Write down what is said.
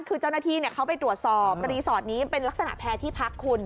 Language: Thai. คือเจ้าหน้าที่เขาไปตรวจสอบรีสอร์ทนี้เป็นลักษณะแพร่ที่พักคุณ